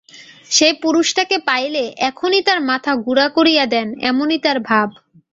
সেই পুরুষটাকে পাইলে এখনই তার মাথা গুঁড়া করিয়া দেন এমনি তাঁর ভাব।